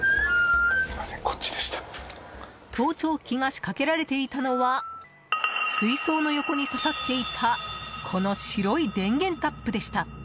盗聴器が仕掛けられていたのは水槽の横に刺さっていたこの白い電源タップでした。